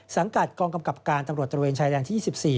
สังกัดกองกำกับการตำรวจตระเวนชายแดนที่๒๔